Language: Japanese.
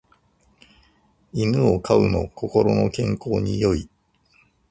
犬を飼うの心の健康に良い